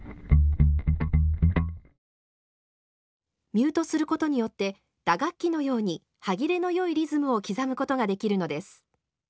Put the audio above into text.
ミュートすることによって打楽器のように歯切れのよいリズムを刻むことができるのです。